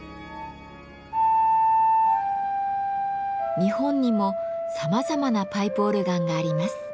日本にもさまざまなパイプオルガンがあります。